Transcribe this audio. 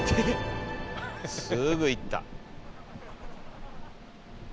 すぐ行った。